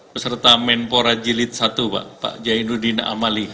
beserta menpora jilid satu pak jainuddin amali